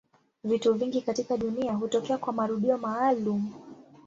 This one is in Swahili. Vitu vingi katika dunia hutokea kwa marudio maalumu.